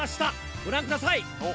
ご覧ください。